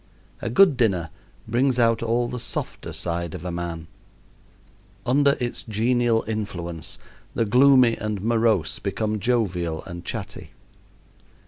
A good dinner brings out all the softer side of a man. Under its genial influence the gloomy and morose become jovial and chatty.